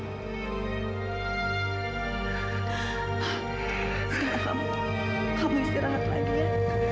tolong kamu istirahat lagi ya